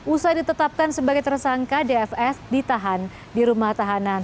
usai ditetapkan sebagai tersangka dfs ditahan di rumah tahanan